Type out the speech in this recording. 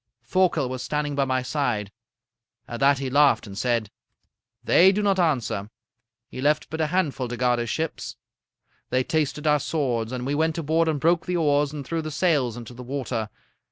"Thorkel was standing by my side. At that he laughed and said: "'They do not answer. He left but a handful to guard his ships. They tasted our swords. And we went aboard and broke the oars and threw the sails into the water.